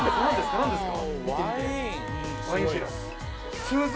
何ですか？